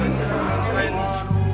oh aji sulam